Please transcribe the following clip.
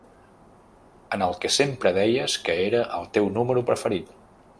En el que sempre deies que era el teu número preferit.